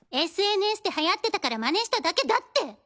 ＳＮＳで流行ってたから真似しただけだって！